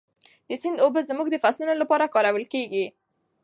د سیند اوبه زموږ د فصلونو لپاره کارول کېږي.